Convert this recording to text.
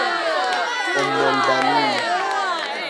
اُمالبنین